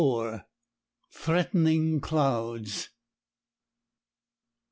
THREATENING CLOUDS.